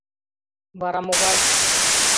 — Вара могай?